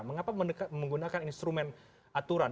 mengapa menggunakan instrumen aturan